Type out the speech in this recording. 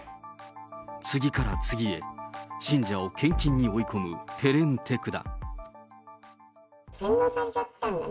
次から次へ、信者を献金に追い込む、手練手管。